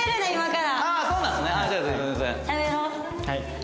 はい。